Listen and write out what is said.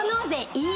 いい！